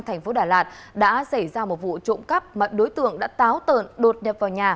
thành phố đà lạt đã xảy ra một vụ trộm cắp mà đối tượng đã táo tợn đột nhập vào nhà